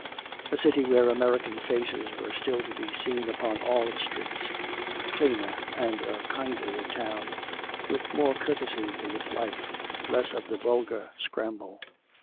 A city where American faces were still to be seen upon all its streets, a cleaner and a kindlier town, with more courtesy in its life, less of the vulgar scramble.